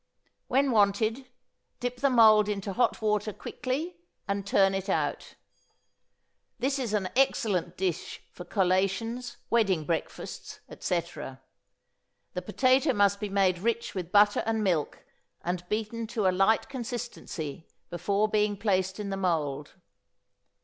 When wanted, dip the mould into hot water quickly, and turn it out. This is an excellent dish for collations, wedding breakfasts, etc. The potato must be made rich with butter and milk, and beaten to a light consistency before being placed in the mould.